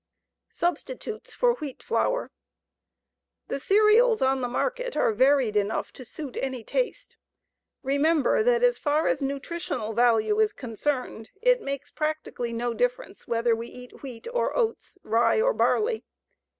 SUBSTITUTES FOR WHEAT FLOUR The cereals on the market are varied enough to suit any taste. REMEMBER THAT AS FAR AS NUTRITIONAL VALUE IS CONCERNED, IT MAKES PRACTICALLY NO DIFFERENCE WHETHER WE EAT WHEAT OR OATS, RYE OR BARLEY.